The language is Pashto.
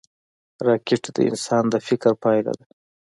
راکټ د انسان د فکر پایله ده